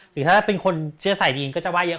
หรือถ้าเป็นคนเชื่อสายดีนก็จะไห้เยอะ